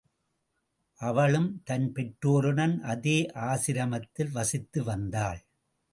அவளும் தன் பெற்றோருடன் அதே ஆசிரமத்தில் வசித்து வந்தாள்.